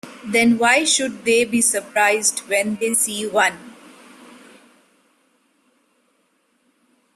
Then why should they be surprised when they see one?